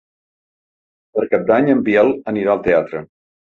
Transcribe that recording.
Per Cap d'Any en Biel anirà al teatre.